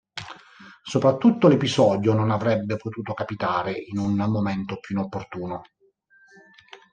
Soprattutto l'episodio non avrebbe potuto capitare in un momento più inopportuno.